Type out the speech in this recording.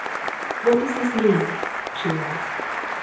"What does this mean?" she asked.